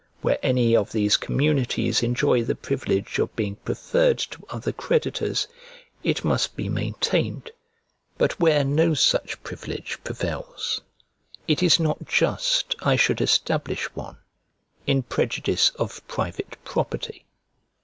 Where any of these communities enjoy the privilege of being preferred to other creditors, it must be maintained; but, where no such privilege prevails, it is not just I should establish one, in prejudice of private property.